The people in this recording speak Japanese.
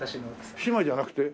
姉妹じゃなくて？